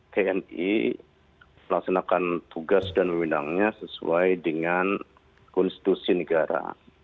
tni melaksanakan tugas dan meminangnya sesuai dengan konstitusi negara